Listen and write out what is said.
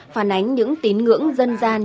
phản ánh những tín ngưỡng dân gian